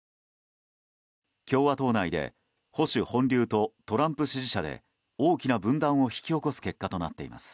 共和党内で保守本流とトランプ支持者で大きな分断を引き起こす結果となっています。